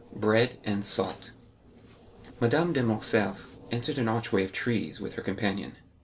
Bread and Salt Madame de Morcerf entered an archway of trees with her companion.